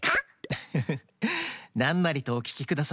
フフフなんなりとおききください。